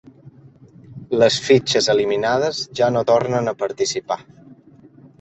Les fitxes eliminades ja no tornen a participar.